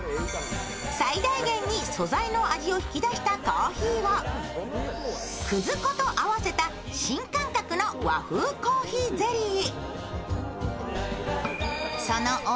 最大限に素材の味を引き出したコーヒーをくず粉と合わせた新感覚の和風コーヒーゼリー。